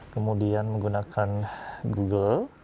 kemudian menggunakan google